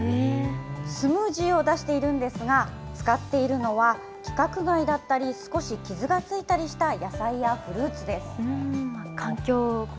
スムージーを出しているんですが、使っているのは、規格外だったり少し傷がついたりした野菜やフルーツです。